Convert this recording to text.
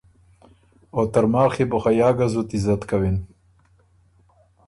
او ترماخ يې بُو خه یا ګۀ زُت عزت کوِن۔